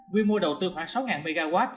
quy mô đầu tư khoảng sáu mw